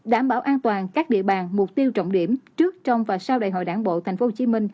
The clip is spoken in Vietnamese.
đảm bảo an toàn các địa bàn mục tiêu trọng điểm trước trong và sau đại hội đảng bộ tp hcm